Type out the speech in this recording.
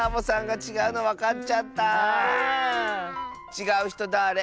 「ちがうひとはだれ？」